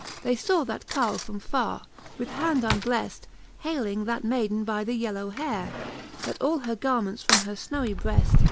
They faw that Carle from farre, with hand unblefV Hayling that may den by the yellow heare. That all her garments from her fiiowy breft.